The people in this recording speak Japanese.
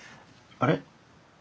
あれ？